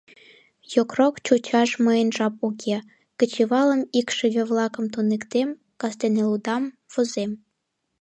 Йокрок чучаш мыйын жап уке: кечывалым икшыве-влакым туныктем, кастене лудам, возем...